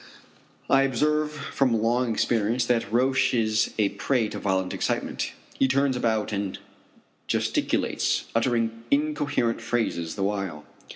I observe from long experience that Roch is a prey to violent excitement. He turns about and gesticulates, uttering incoherent phrases the while.